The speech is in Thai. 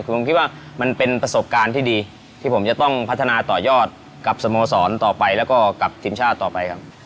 ผมคิดว่ามันเป็นประสบการณ์ที่ดีที่ผมจะต้องพัฒนาต่อยอดกับสโมสรต่อไปแล้วก็กับทีมชาติต่อไปครับ